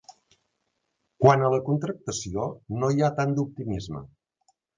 Quant a la contractació, no hi ha tant d’optimisme.